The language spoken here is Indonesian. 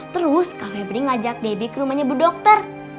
terus kak febri ngajak debbie ke rumahnya bu dokter